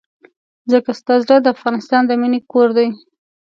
ځکه ستا زړه د افغانستان د مينې کور دی.